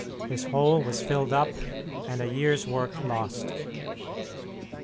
His hole was filled up, and a year's work lost.